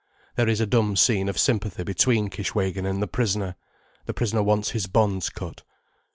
There is a dumb scene of sympathy between Kishwégin and the prisoner—the prisoner wants his bonds cut.